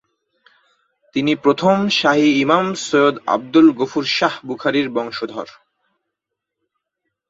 তিনি প্রথম শাহী ইমাম সৈয়দ আব্দুল গফুর শাহ বুখারীর বংশধর।